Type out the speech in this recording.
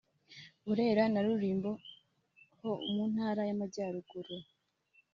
Burera na Rulindo ho mu ntara y’Amajyaruguru